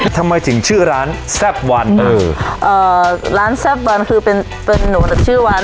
ทำไมถึงชื่อร้านแซ่บวันเออเอ่อร้านแซ่บวันคือเป็นเป็นหนูแต่ชื่อวัน